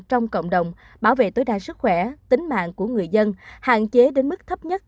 trong cộng đồng bảo vệ tối đa sức khỏe tính mạng của người dân hạn chế đến mức thấp nhất